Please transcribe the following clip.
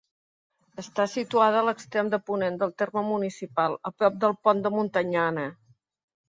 Està situada a l'extrem de ponent del terme municipal, a prop del Pont de Montanyana.